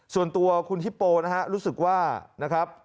ส่วนตัวคุณฮิปโปนะฮะรู้สึกว่านะครับ